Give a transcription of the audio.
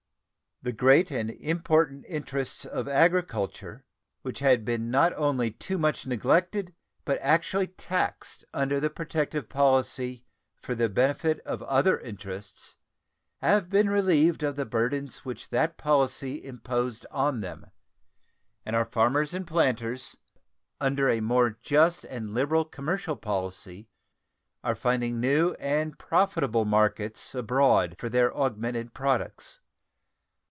The great and important interests of agriculture, which had been not only too much neglected, but actually taxed under the protective policy for the benefit of other interests, have been relieved of the burdens which that policy imposed on them; and our farmers and planters, under a more just and liberal commercial policy, are finding new and profitable markets abroad for their augmented products.